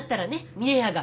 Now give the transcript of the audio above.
峰屋が。